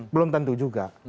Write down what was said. belum tentu juga